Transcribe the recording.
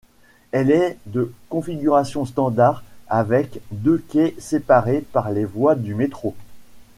Elle est de configuration standard avec deux quais séparés par les voies du métro.